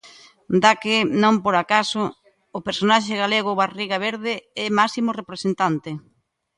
Da que, non por acaso, o personaxe galego Barriga Verde é máximo represéntate.